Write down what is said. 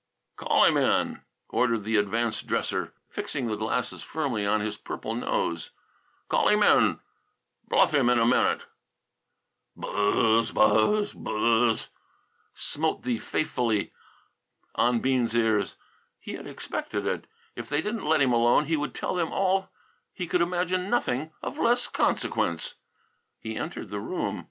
"Call him in," ordered the advanced dresser, fixing the glasses firmly on his purple nose. "Call him in! Bluff him in a minute!" "Buzz! Buzz! Buzz!" smote fatefully on Bean's ears. He had expected it. If they didn't let him alone, he would tell them all that he could imagine nothing of less consequence. He entered the room.